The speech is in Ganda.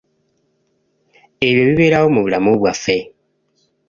Ebyo bibeerawo mu bulamu bwaffe.